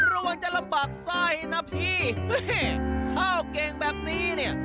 รวมจะลำบากใส่นะพี่เฮ้เฮเข้าเกงแบบนี้เนี่ย